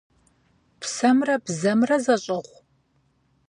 Псэмрэ бзэмрэ зэщӀыгъу?